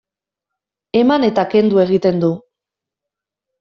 Eman eta kendu egiten du.